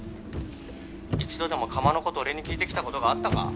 一度でも窯のこと俺に聞いてきたことがあったか？